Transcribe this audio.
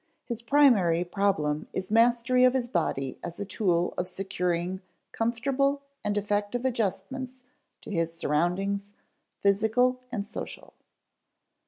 His primary problem is mastery of his body as a tool of securing comfortable and effective adjustments to his surroundings, physical and social.